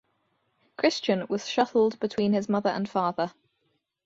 Christian was shuttled between his mother and father.